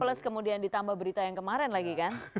plus kemudian ditambah berita yang kemarin lagi kan